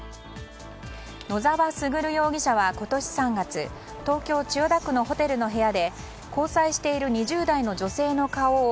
野沢優容疑者は今年３月東京・千代田区のホテルの部屋で交際している２０代の女性の顔を